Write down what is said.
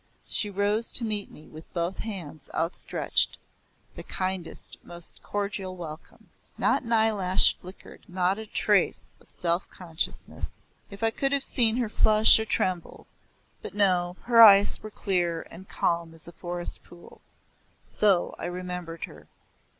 She rose to meet me with both hands outstretched the kindest, most cordial welcome. Not an eyelash flickered, not a trace of self consciousness. If I could have seen her flush or tremble but no her eyes were clear and calm as a forest pool. So I remembered her.